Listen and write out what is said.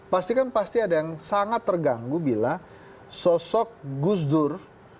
pastikan pasti ada yang sangat terganggu bila sosok gus dur